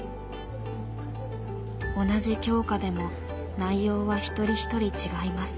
同じ教科でも内容は一人一人違います。